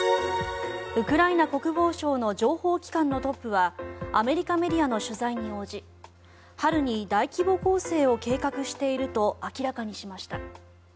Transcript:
ウクライナ国防省の情報機関のトップはアメリカメディアの取材に応じ春に大規模攻勢を計画していると明らかにしました。